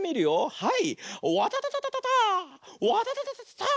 はい！